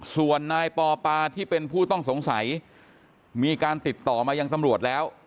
ส่วนนายปอปาที่เป็นผู้ต้องสงสัยมีการติดต่อมายังตำรวจแล้ว